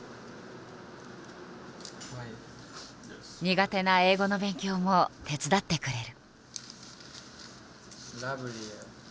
苦手な英語の勉強も手伝ってくれる。